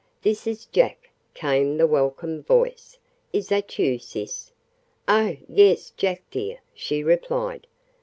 "This is Jack," came the welcome voice. "Is that you, sis?" "Oh, yes, Jack, dear!" she replied.